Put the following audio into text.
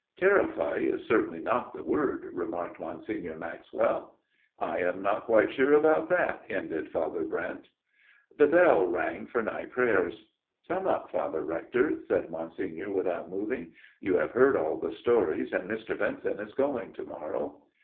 "' Terrify ' is certainly not the word," remarked Monsignor Maxwell. " I am not quite sure about that," ended Father Brent. The bell rang for night prayers. " Sum up, Father Rector," said Monsignor without moving. " You have heard all the stories, and Mr. Benson is going to morrow."